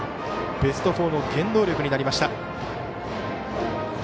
ベスト４の原動力になりました。